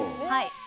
はい。